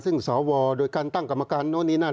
ซึ่งสวโดยการตั้งกรรมการโน้นนี่นั่น